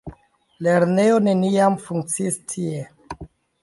Lernejo neniam funkciis tie.